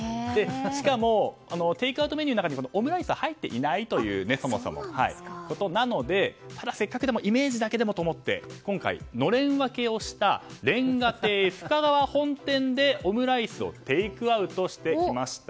しかもテイクアウトメニューの中にはそもそもオムライスが入っていないということなのでただ、せっかくならイメージだけでもと思って今回、のれん分けをした煉瓦亭深川本店でオムライスをテイクアウトしてきました。